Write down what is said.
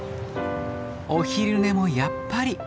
お昼寝もやっぱり田んぼ。